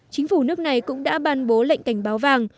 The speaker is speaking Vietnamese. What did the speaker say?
chính phủ nước này cũng đã ban bố lệnh cảnh báo vàng